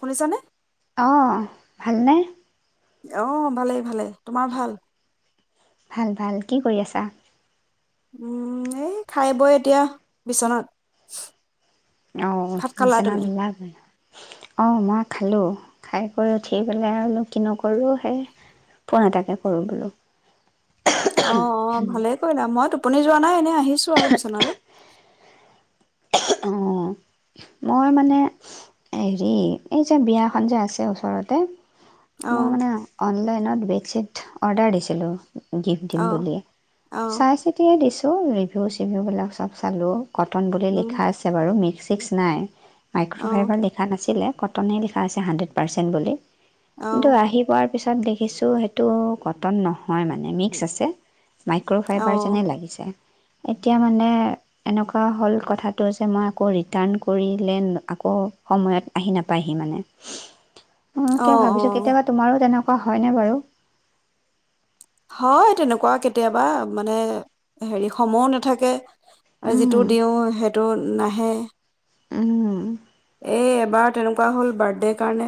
শুনিছানে? অ ভালনে। আহ ভালেই ভালেই তোমাৰ ভাল? ভাল ভাল কি কৰি আছা। উম এই খাই বই এতিয়া বিচনাত। অ ভাত খালা নিচনা তুমি? ধুনীয়াকে আহ মই খালো! খাই কৰি উঠি পেলাই আৰু কি নকৰো সেই ফোন এটাকে কৰো বোলো। অ অ ভালে কৰিলা মই তো আপুনি যোৱা নাই নে আহিছো আৰু বিচনালৈ। [inaudible] অ মই মানে হেৰি এই যে বিয়াখন যে আছে ওচৰতে মই অ' মানে অনলাইনত ছেত অৰ্ডাৰ দিছিলোঁ। গিফ্ট দিম অ' বুলিয়ে, অ' চাই চিতিয়ে দিছো। ঔ' ৰিভিউ চিভিউবিলাক চব চালোঁ। কটন বুলি উম, লিখা বাৰু মিক্স ছিক্স নাই। অ' মাইক্ৰ'ফাইবাৰ লিখা নাছিলে ক কটনেই লিখা আ হাণ্ড্ৰেড পাৰ্চেন্ত্ বুলি। কিন্তু অ' আহি পোৱাৰ তাৰ পিছত দেখিছো সেইটো কটন নহয় মানে, মিক্স আছে। মাইক্ৰ'ফাইবাৰ অ' যেনে লাগিছে। এতিয়া মানে--এনেকুৱা হ'ল কথাত [unintelligible] মই আকৌ ৰিটাৰণ কৰিলে আ, আকৌ সময়ত আহি নাপাইহি মানে। অ, অ' কিয় ভাবিছো, অ'। কেতিয়াবা তোমাৰো তেনেকো [unintelligible] কোৱা হয়নে বাৰু? হয় তেনেকুৱা কেতিয়াবা মানে, হেৰি সময় নাথাকে। আৰু যিটো উম, দিও সেই [unintelligible] টো নাহে। উম এই এইবাৰো তেনেকুৱা হ'ল বাৰ্থডেৰ কাৰণে,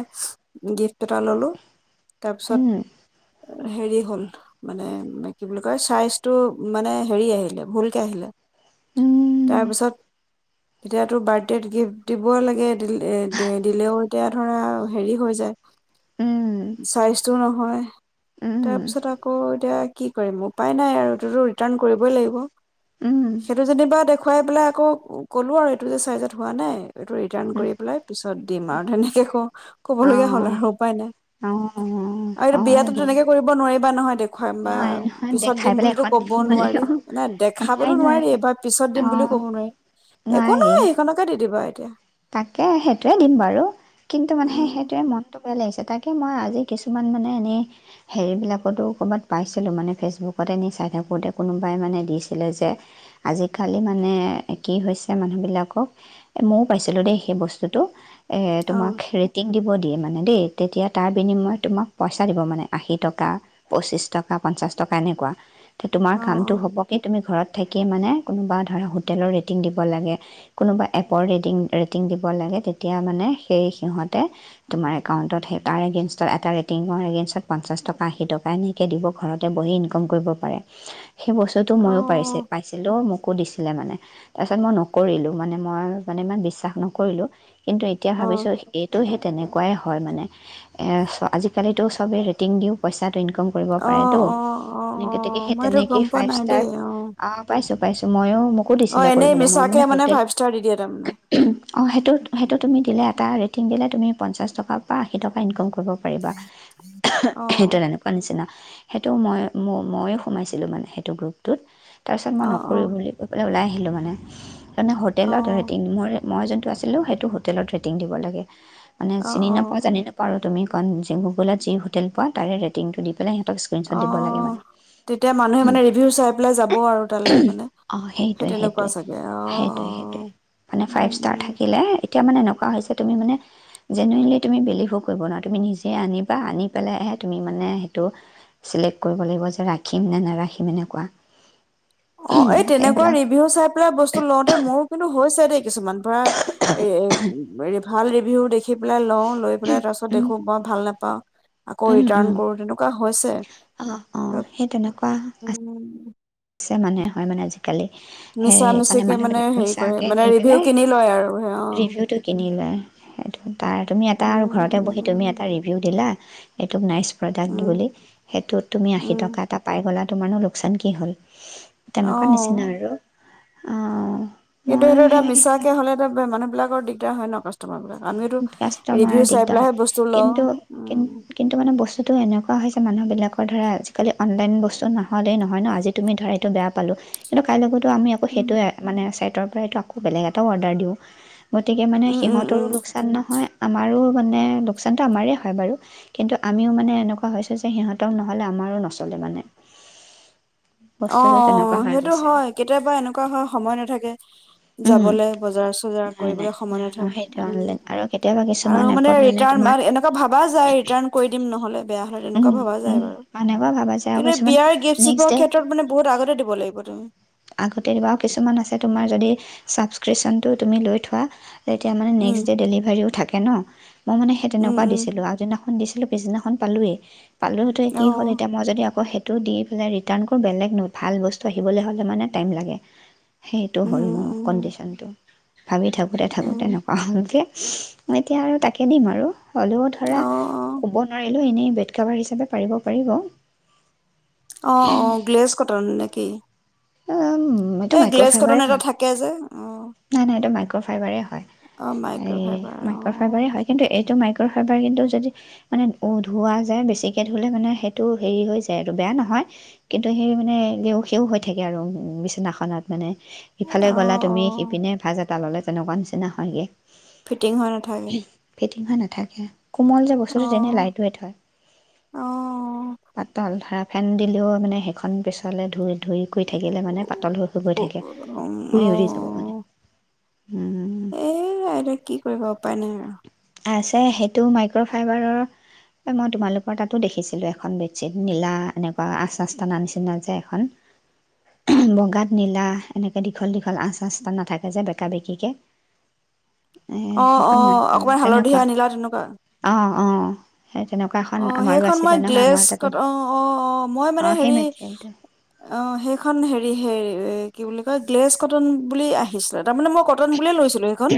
গিফ্ট এটা ললো। তাৰপিছত উম, হেৰি হ'ল। মানে, মানে কি বুলি কয় চাইজটো মানে, হেৰি আহিলে, ভুলকে আহিলে। উম, তাৰপিছত! তেতিয়াাতো বাৰ্থদেত গিফ্ট দিব [unintelligible] দিব লাগে, দিল দিলেও এতিয়া ধৰা হেৰি হৈ যায়। উম, চাইজটোও নহয়, উম, তাৰপিছত আকৌ এতিয়া কি কৰিম উপায় নাই আৰু এইটোতো ৰিটাৰ্ণ কৰিবই লাগিব। উম, সেইটো যেনিবা দেখুৱাই পেলাই আকৌ ক'লোঁ আৰু এইটো যে চাইজত হোৱা নাই, এইটো ৰিটাৰ্ণ উম, কৰি পেলাই পিছ পাছত দিম আৰু, তেনেকৈ ক্ অ' অ' অ-অ অহ আৰু এইটো বিয়াাতো তেনেকে কৰিব নোৱাৰিবা নহয় দে [unintelligible] হৈ বা নহয় নহয় [unintelligible] পিছত দেখাই দিম পেলাই বুলিতো এখন দিব কবও নোৱাৰি, লাগিব। নাই দেখাৱতো নোৱাৰি বা পিছত দিম অ'। বুলিও কব নোৱাৰি। একো নোৱাৰি নহয় সেইখনকে দিদিবা। এতিয়া [unintelligible] তাকে, সেইটোয়ে দিম বাৰু। কিন্তু মানে উম সেইটোয়েই মনটো ভাল লাগিছে। তাকে মই আজি কিছুমান মানে এনেই হেৰিবিলাকতো ক'ৰবাত পাইছিলোঁ। মানে ফেচবুকতে নি চাই থাকোঁতে কোনোবাই মানে দিছিলে যে, আজিকালি মানে কি হৈছে মানুহবিলাকক, এ, মোক পাইছিলো দেই সেই বস্তুটো। এ, অ তুমাক ৰেটিং দিব দিয়ে মানে দেই। তেতিয়া তাৰ বিনিময়ত তোমাক পইচা দিব। মানে আশী টকা, পঁচিছ টকা পঞ্চাছ টকা এনেকুৱা। এ, তোমাৰ অ কামটো হ'ব কি তুমি ঘৰত থাকিয়ে মানে কোনোবা ধৰা হোটেলৰ ৰেটিং দিব লাগে কোনোবা এপৰ ৰেট ৰেটি ৰেটিং দিব লাগে তেতিয়া মানে সেই সিহঁতে তোমাৰ একাউন্টত এটাৰ এগেইনষ্টত এটা ৰেটিঙৰ এগেইনষ্টত পঞ্চাছ টকা আশী টকা এনেকৈ দিব ঘৰতে বহি ইনকম কৰিব পাৰে সেই বস্তুটো অ ময়ো পাইছে পাইছিলোঁ মোকো দিছিল ছিলে মানে তাৰপিছত মই নকৰিলোঁ মানে মই মানে ইমান বিশ্বাস নকৰিলো কিন্তু এতিয়া অ অ ভাবিছোঁ এইটোহে তেনেকুৱাই হয় মানে এ আজিকালিতো চবেই ৰেটিং দি পইচা ইন্কম কৰিব অ পাৰেটো। অ অ অ গতিকে সেই মই সেইটো গম কেনেকুৱা পোৱা ফাইব নাই ষ্টাৰ দেই অ পাইছো পাইছোঁ মইও অ এনেই মিছাকে মানে ফাইভ ষ্টাৰ দি দিয়ে তাৰমানে অ সেইটো সেইটো তুমি দিলে এটা ৰেটিং দিলে তুমি পঞ্চাছ টকা বা আশী টকা ইনকম কৰিব পাৰিবা অ সেইটো তেনেকুৱা নিচিনা সেইটো মই ময়ো সোমাইছিলোঁ মানে সেইটো গ্ৰুপটোত তাৰপিছত মই অ অ নকৰো বুলি কৈ পেলাই ওলাই আহিলোঁ মানে মানে অ হোটেলৰ দৰে মই যোনটো আছিলোঁ সেইটো হোটেলত ৰেটিং দিব লাগে মানে অ অ চিনি নাপাওঁ জানি নাপাওঁ আৰু তুমি অকণ যি হোটেল পোৱা তাৰে ৰেটিংটো দি পেলাই স্ক্ৰীণশ্বট অ দিব লাগে মানে তেতিয়া মানুহে মানে ৰিভিউ চাই পেলাই যাব আৰু তালৈ মানে অ সেই সেইটোৱে তেনেকুৱা সেইটোৱে চাগে অ অ সেইটোৱে সেইটোৱে মানে ফাইভ উম ষ্টাৰ উম থাকিলে এতিয়া মানেএ এনেকুৱা হৈছে তুমি মানে জিনুইনলি তুমি বিলিভো কৰিব নোৱাৰা। তুমি নিজে আনিবা আনি পেলেহে তুমি মানে হেইটো চিলেক্ট কৰিব লাগিব যে ৰাখিম নে নেৰাখিম এনেকুৱা অ এই তেনেকুৱা সেইবিলাক ৰিভিউ চাই পেলাই বস্তু লওঁতে মোৰো কিন্তু হৈছে দেই কিছুমান পৰা এ এ ভাল ৰিভিউ দেখি ৰাখি পেলাই লওঁ লৈ পেলাই তাৰপিছত দেখোঁ মই ভাল নাপাওঁ আকৌ ৰিটাৰ্ণ কৰো তেনেকুৱা হৈছে অ অ সেই তেনেকুৱা আছে উম মানে হয়ে মানে আজি কালি সে মিছা মানে মিছিকে মানুহবিলাক হেৰি কৰে মিছাকে মানে দি ৰিভিউ পেলাই কিনি লয় আৰু সেই অ ৰিভিউটো কিনি লয়। তাৰ তুমি এটা ঘৰতে বহি তুমি উম এটা ৰিভিউ দিলা এইটো নাই প্ৰডাক্টটো উম বুলি সেইটোত তুমি আশী টকা উম এটা পাই গ'লা তোমাৰো লোকচান কি হ'ল? অ তেনেকুৱা নিচিনা আৰু আহ। কিন্তু সেইটো এটা মিছাকে হ'লে এ মানুহবিলাকৰ দি দিগদাৰ হয় ন কাষ্টমাৰ বিক কাষ্টমাৰ দিগদাৰ লওঁ কিন্তু, উম কিন্তু মানে বস্তুতটো এনেকুৱা হৈছে মানুহ বিলাক ধ আজিকালি অনলাইন বস্তু নহলেই নহয় ন আজি তুমি ধাৰ এইটো বে পালো কিন্তু কাই লগত তো আমি উম আকৌেইোৱে মানে তৰ পৰাইতো আকৌ বেলেগ এটা অৰ্ডাৰ দিওঁ। গতিকে মানে উম উম সিহঁতৰো উম নহয় আমাৰো মানে লোকচানতটো আমাৰ হয় বাৰু কিন্তু আমিও মানে এনেকুৱা হৈছো যে সিহঁতক নহলে আমাৰো নচলে মানে। অ বস্তুটো তেনেকুৱা অ হৈ সেইটো গৈছে হয় কেতিয়াবা এনেকুৱা হয় সময় নাথাকে। উম যাবলে বজাৰ চজাৰ নাই নাই কৰিবলৈ সময় নাই অ নাথাকে সেইটো উম অনলাইন আৰু কেতিয়াবা আৰু কিছুমান মানে এপত ৰিটাৰ্ণ তোমাৰ এনেকুৱা ভবা যায় ৰিটাৰ্ণ কৰি দিম নহলে বেয়া হলে এনেকুৱা উম ভবা যায় উম বাৰু এনেকুৱা ভাবা যায় আৰু কিন্তু কিছুমান বিয়াৰ গিফ্ট নেক্সট চিফ্টৰ ডে ক্ষ্ৰত মানে বহুত আগতে দিব লাগিব তুমি। আগতে বাৰু কিছুমান আছে তোমাৰ যদি চাবস্ক্ৰিপচনটো তুমি লৈ থোৱা তেতিয়া মানে নেক্স উম ড' ডেলিভাৰীও থাকে। ন? মই মানে সেই উম তেনেকুৱা উম দিছিলোঁ আগদিনা দিছিলো পিছদিনাখন পালোয়ে। পালোঁতে কি অ হ'ল এতিয়া মই যদি আকৌ টো দি পেলাই ৰিটাৰ্ণ কৰো বেলেগ ন ভাল বস্তু আহিবল হ'লে মানে টাইম লাগে। সেইটো উম হ'ল মোৰ উম কণ্ডিশ্যনটো। ভাবি থাকোঁতে থাকোঁতে উম এনেকুৱা হ'লগে। [unintelligible] মই এতিয়া আৰু তাকে দিম আৰু। হ'লেও ধৰা অ ক'ব নোৱাৰিলো। এনেই বেড কভাৰ হিচাপে পাৰিব পাৰিব। অ অ গ্লেজ কটন নেকি? অ এই গ্লেছ কটন এটা থাকে যে অ ফাইভাৰে হয়। অ মাইক্ৰ' এই ফাইবাৰ অ মাইক্ৰ' ফাইবাৰে হয় কিন্তু এই সেইটো মাইক্ৰ'ফাইবাৰ কিন্তু যদি মানে ধোৱা যায় বেছিকে ধুলে মানে সেইটো হেৰি হৈ যায় আৰু বেয়া নহয় কিন্তু সেই মানে লেও সেও হৈ থাকে আৰু বিছনাখনত মানে। ইফালে অ গ'লা অ তুমি ভাজ এটা ল'লে তেনেকুৱা নিচিনা হয়গে ফিটিং হৈ নাথাকে সিহা নাথাকে কোমল যে বস্তুটো অ তেনে লাইটোৱে থয় অ [inaudible] পাতল ধৰা ফেন দিলেও মানে সেইখন পিছলে ধুই ধুই কৰি থাকিলে মানে পাতল হৈ হৈ গৈ অ' থাকে উৰি উৰি যাব মানে এ আইতাই কি কৰিব উপায় নাই আৰু আছে সেইটো মাইক্ৰ'ফাইবাৰৰ মই তোমালোকৰ তাতো দেখিছিলোঁ এখন বেডশ্বীট নীলা এনেকুৱা আঁচ আস্তানা নিচিনা যে এখন বগাত নীলা এনেকৈ দীঘল দীঘল আঁচ আস্তা নাথাকে তজে বকাা বেকিকে অ অ অকমান হালধি আনিলাও তেনেকুৱা অঁ অঁ সেই তেনেকুৱা এখন অ আমাৰো সেইখন মই আছিলে নহয় গ্লেছ আমাৰ ক তাতো অ অ অ মই মানে অঁ সেই হেৰি মেটেৰিয়েলটো অ সেইখন হেৰি হেৰি এ কি বুলি কয় গ্লেছ কটন বুলি আহিছিলে তাৰ মানে মই কটন বুলিয়ে লৈছিলো সখন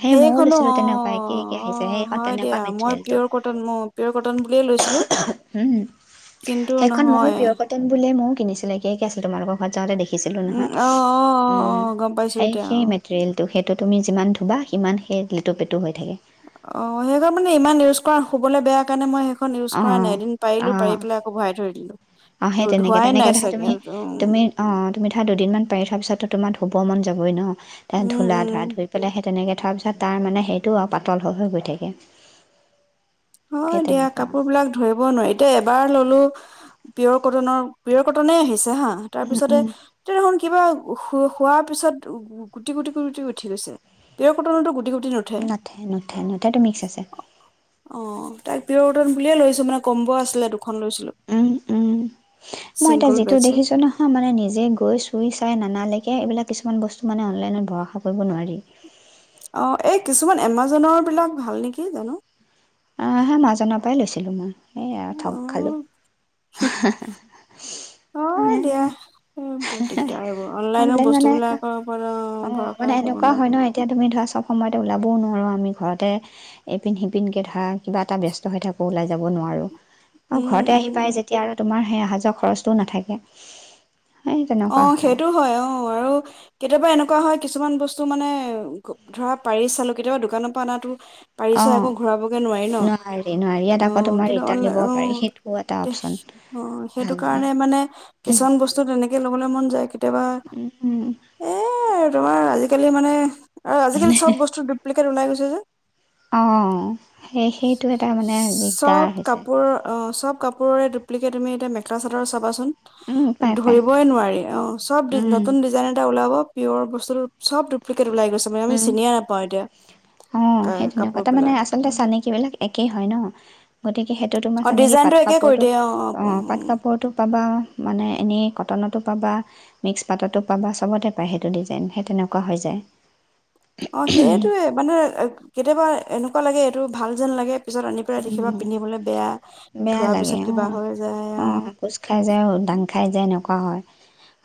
সেই ময়ো সেইখনো লৈছিলোঁ অ তেনেকুৱা একে একে অ আহিছে সেইখন হয় তেনেকুৱা দিয়া মই মেটেৰিয়েলটো পিয়ৰ কটন মোক পটন লৈছিলো কিন্তু নহয় মোৰ কিনিছিলো একে কি আছিল তোমোকৰ ঘৰত যাতে দেখি ন উম, অ' অ' অ' উ অ' গম পাইছো এতিয়া অ'। তুমি যিমান ধুবা সিমান সেই লিটোু পেটোু হৈ থাকে অ সেইব মানে ইমান ইউজ কৰা শুবলৈ বেয়া কাৰণে মই সেই ইউজ কৰা ন অ', এদিন পাৰিলো পাৰি পেলাই আকৌ ভৰাই ধৰি দিলো আহ সেই তেনেকে ধোৱাই তেনেকে নাই দেখে চাগে তুমি উম, তুমি অ তুমি ধৰা দুদিন মমান পাৰি থোৱা পিছতো তোমাৰ ধ শ'ব মন যাবই ন উম, ধুললা উম, ধৰা ধুই পেলাই সেই তেনেকে পিছত তাৰ মানে সেইটো পাতল হৈ হৈ গ থাকে হয় সেই দিয়া তেনেকুৱা কাপোৰ বিলাক ধৰিব নোৱাৰিতি এবাৰ ললো পিয়ৰ কটনৰ পিয়ৰ কটনে আহিছে হা তাৰ উম, পিছতে উম, তেয়া দেখোন কিবা উ হোৱাৰ পিছত উ গুটি গুটি গুুটি উঠি গৈছে পৰ কটনতো গুটি গুটি নুঠে নাথে নুথে নথটো মিক্স আছে অ তাক বিৰটন বুলিয়ে লৈছো মানে কম্ব আছিলে দুখন লৈছিলো উম উম মই এতিয়া চিংগল যিটো বেডশ্বীট দেখিছো নহয় মানে নিজে গৈ চুই চাই নানালেকীয়া এইবিলাক কিছুমান বস্তু মানে অনলাইনত ভৰষা কৰিব নোৱাৰি অ এই কিছুমান এমাজনৰ বিলাক ভাল নেকি জানো আহ হে মাজনৰ পৰাই লৈছিলো মই সেই আৰু থগ খালো অ'। ন হয় দিয়া এই বৰ দিগদাৰ হ'ব অনলাইনৰ অনলাইন মানে বস্তুবিলাকৰ ওপৰত অ মানে ভৰসাই কৰিব এনেকুৱা নোৱাৰি হয় ন এতিয়া তুমি ধৰা চব সময়তে ওলাবও নোৱাৰোঁ আমি ঘৰতে এইপিন সিপিন তে ধৰা কিবা এটা ব্যস্ত হৈ থাকোঁ ওলাই যাব নোৱাৰোঁ অ উম ঘৰতে আহি পাই উম যেতিয়া আৰু তোমাৰ সেই অহা যোৱা খৰচটোও নাথাকে সেই অ তেনেকুৱা সেইটো হয় অ আৰু কেতিয়াবা এনেকু নেকুৱা হয় কিছুমান বস্তু মানে ধৰা পাৰি চালো কেতিয়াবা দোকানৰ পৰা অনাটো অ পাৰিছে আকৌ ঘুৰাবগে নোৱাৰি ন নোৱাৰি নোৱাৰি ইয়াত অ আকৌ তোমাৰ কিন্তু ৰিটাৰ্ণ অনল দিব অ পাৰি সেইটোও এটা অপচন অ সেইটো কাৰণে মানে কিছুমান বস্তু তেনে যাবলৈ মন যায় কেতিয়াবা উম এ আৰু তোমাৰ আজি কালি মানে আৰু আজিকালি চব বস্তু ডুপ্লি ওলাই গৈছে যে অ সেই সেইটো এটা মানে দিগদাৰ চব আহিছে কাপোৰ অ', চব কাপোৰৰে ডুপ্লিকেট তুমি এতিয়া মেখেলা চাদৰ চাবাচোন উম পাই পাই ৰিবই নোৱাৰি অঁ চব উম নতুন ডিজাইন এটা ওলাব পিয়ৰ বস্তুটো চব ডুপ্লিকেট ওলাই গৈছে মানে আমি উম চিনিয়ে নাপাওঁ এতিয়া অ কা সেই কাপোৰ তেনেকুৱাতে মানে বিলাক আচলতে চানেকী বিলাক একেই হয় ন গতিকে সেইটো তোমাৰ অ', চানেকি ডিজাইনটো পাট একে কৰি কাপোৰটো দিয়ে অ পাট কাপোৰটো পাবা মানে এনেই কটনতো পাবা মিক্স পাটতো পাবা চবতে পায় সেইটো ডিজাইন সেই তেনেকুৱা হৈ যায় অ সেইটোয়ে মানে কেতিয়াবা এনেকুৱা লাগে এইটো ভাল যেন লাগে পিছত আনি পেলাই দেখিবা উম। পিন্ধিবলৈ বেয়া বেয়া ধোৱাৰ লাগে পিছত কিবা অ', হৈ যায় আৰু কোৱা হয়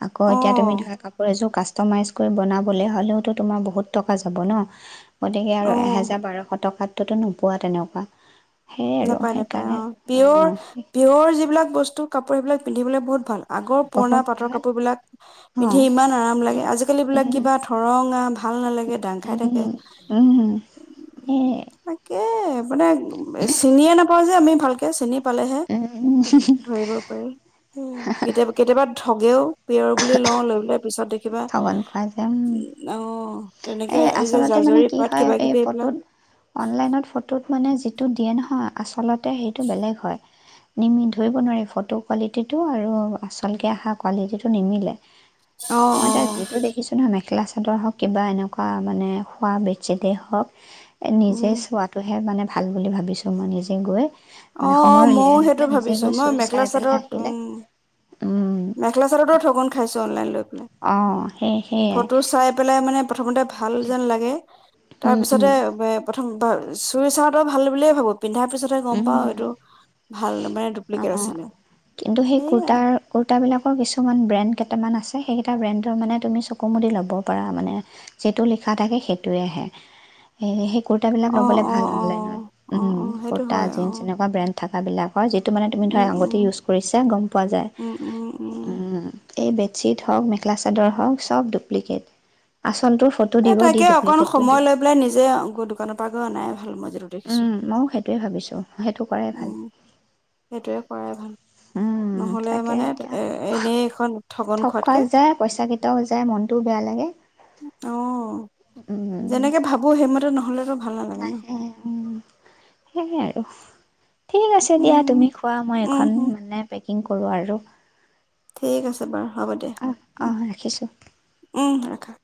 আকৌ এতিয়া তুমি ধৰা কাপোৰ এযোৰ কা কাষ্টমাইজ কৰি বনাবলৈ হলেওতো তোমাৰ বহুত টকা যাব ন গতিকে আৰু অ'। এহেজাৰ বাৰশ টকাত তো নোপোৱা তেনেকুৱা সেয়াই আৰু নাপায় নাপায় সেইকাৰণে অ পিয়ৰ অ', পিয়ৰ যিবিলাক বস্তু কাপ বিলাক পিন্ধিবলৈ বহুত ভাল আগৰ পুৰণা বহুত পাটৰ ভাল কাপোৰ বিলাক অ'। পিন্ধি ইমান আৰাম লাগে আজিকালিিবিলাক কিবা ৰংা ভাল নালাগে দাং খাই থাকে উম, এই তাকে মানে চিনিয়ে নাপাওঁ আমি ভালকে চিনি পালেহে উম, ধৰিব পাৰি কেতিয় কেতিয়াবা ঠগেও পিয়ৰ বুলি লওঁ লৈ পেলাই পিছত দেখ কিবা ঠগন খোৱা যে উম। অ তেনেকে এই যে আচলতে মানে জাজৰি কি পাত হয় কিবা এই কিবি এইবিলাক ফটোত অনলাইনত ফটোত। মানে যিটো দিয়ে নহয় আচলত। তেয়া সেইটো বেলেগ হয়। নিমি ধৰিব নোৱাৰি ফটো কোৱালিটিটো আৰু আচলকে অহা কোৱালিটিটো নিমিলে। অ', মই তাক অ', যিটো দেখিছো নহ মে। ক্লাছাদৰ হওক কিবা এনেুৱা। থকা মানে খোৱা বেডশ্বিটেই হওক। নিজে উম। চোৱাটোহে মানে। ভাল বুলি ভাবিছোঁ মই নিজে গৈ। অ মানে অ সময় মইো উলিয়াই লৈ সেইটো পেলাই নিজে ভাবিছো গৈ মই চুই মেখেলা চাই পেলাই চাদৰত আহিলে উম। উম, মেখেল চাৰৰ ৰতো ঠগন খাইছে। লৈ অ', সেই সেয়াই ফটো চাই পেলাই মানে। পদমতে ভাল যেন লাগে। তাৰ অঁ পিছতে। প্ৰথম চুই চওঁটো ভাল বুলিয়েই ভাবোঁ। পিন্ধাৰ পিছতহে গম পাওঁ এইটো ভাল মানে ডুপ্লিকেট আছিলে কিন্তু সেই সেয়াই। কুৰ্তাৰ কুৰ্তাবিলাকৰ কিছুমান ব্ৰেণ্ড কেইটামান আছে সেইকেইটা ব্ৰেণ্ডৰ মানে তুমি চকু মুদি ল'ব পাৰা মানে যিটো লিখা থাকে সেইটোৱে আহে। কুৰ্তাবিলাক অ ল'বলে অ ভাল অ অনলাইনত অ উম। অ ক সেইটো হয় জ অ এনে ব্ৰড। থাকাবিলাক। হয় যিটো মানে তুমি ধৰা উম উম আগতেই ইউজ কৰিছা গম পোৱা যায়। উম উম উম এই বেডশ্বীট হওক মেখেলা চাদৰ হওক চব ডুপ্লিকেট আ। এ তাকে অকন সময় লৈ পেলাই নিজে গ দোকানৰ পৰা গৈ অনাই ভাল মই। যিটো দেখিছো উম ময়ো সেইটোয়ে ভাবিছো সেইটো কৰাই ভাল উম সেইটোৱে কৰাই ভাল উম নহলে তাকে মানে এতিয়া এ এনেই এখন ঠগন ঠগ খোৱা খোৱাতকে যায় পইচাকটাও যায় মনটোও বেয়া লাগে। অ উম যেনেকে ভাবো সেইমতে। নহ'লে। নাহে উম সেইয় আৰু। ঠিক আছে দিয়া উম, তুমি খোৱা মই উম, এইখন হম মানে পেক। ই কৰোঁ আৰ ঠিক আছে বাৰু হ'ব দে উ অহ ৰাখিছোঁ উম। থ।